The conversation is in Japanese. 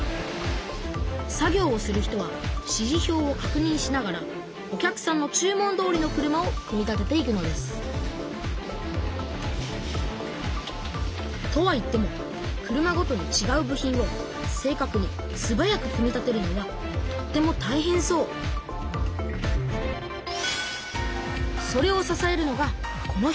作業をする人は指示票をかくにんしながらお客さんの注文どおりの車を組み立てていくのですとはいっても車ごとにちがう部品を正かくにすばやく組み立てるのはとってもたいへんそうそれをささえるのがこの人たち。